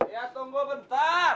ya tunggu sebentar